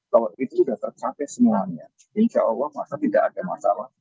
kalau itu sudah tercapai semuanya insya allah masa tidak ada masalah